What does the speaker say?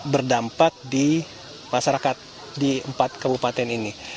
berdampak di masyarakat di empat kabupaten ini